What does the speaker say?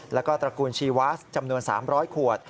แล้วก็ตระกูลชีวาสจำนวน๓๐๐ขวด